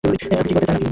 আপনি কী করতে চান?